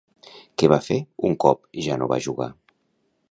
Què va fer un cop ja no va jugar?